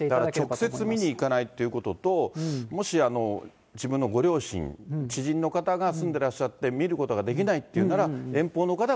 直接見に行かないということと、もし自分のご両親、知人の方が住んでらっしゃって、見ることができないっていうなら、そうです。